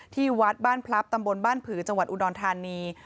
ที่วัดบ้านพลับตำบลบ้านผือจังหวัดอุดรธานี